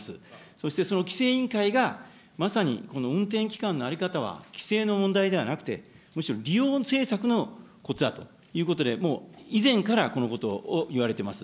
そしてその規制委員会が、まさにこの運転期間の在り方は規制の問題ではなくて、むしろ利用政策のことだということで、もう以前からこのことを言われています。